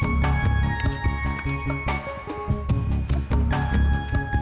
ya namanya biar nyantanya wegengnya bawah